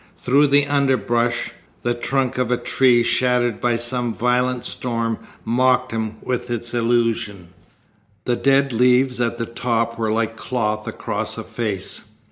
Through the underbrush the trunk of a tree shattered by some violent storm mocked him with its illusion. The dead leaves at the top were like cloth across a face.